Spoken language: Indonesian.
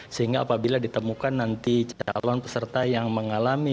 sehingga apabila ditemukan nanti calon peserta yang mengalami